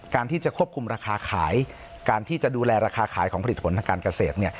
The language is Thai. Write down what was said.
การที่จะควบคุมราคาขายการที่จะดูแลราคาขายของผลิตผลทางการเกษตรเนี่ย